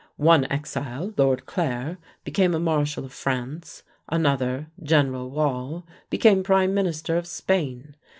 One exile (Lord Clare) became a marshal of France, another (General Wall) became Prime Minister of Spain....